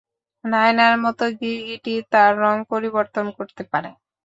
নায়নার মতো গিরগিটি তার রং পরিবর্তন করতে পারে।